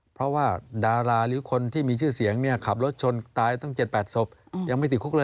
เพราะว่าดาราหรือคนที่มีชื่อเสียงเนี่ยขับรถชนตายตั้ง๗๘ศพยังไม่ติดคุกเลย